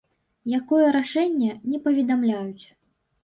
Якое рашэнне, не паведамляюць.